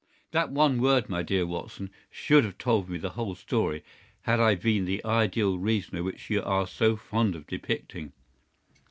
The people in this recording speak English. "That one word, my dear Watson, should have told me the whole story had I been the ideal reasoner which you are so fond of depicting.